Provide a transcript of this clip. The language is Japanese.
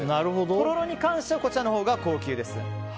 とろろに関してはこちらのほうが高級です。